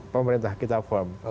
pemerintah kita form